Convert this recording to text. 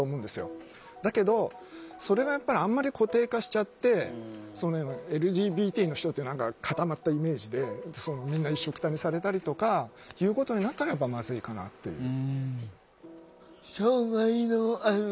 だけどそれがやっぱりあんまり固定化しちゃってＬＧＢＴの人って何か固まったイメージでみんないっしょくたにされたりとかいうことになったらやっぱまずいかなっていう。